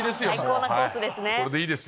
最高なコースですね。